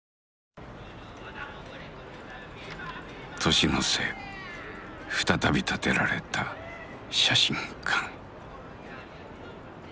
年の瀬再び建てられた写真館。